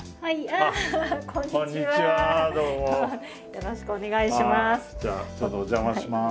よろしくお願いします。